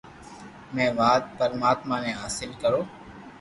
مين وات پرماتما ني حاصل ڪرو